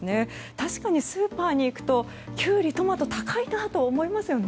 確かにスーパーに行くとキュウリ、トマト高いなと思いますよね。